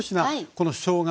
このしょうが